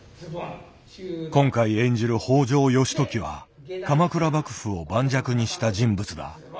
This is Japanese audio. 今回演じる北条義時は鎌倉幕府を盤石にした人物だ。